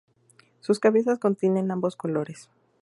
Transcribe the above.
Sus cabezas contienen ambos colores.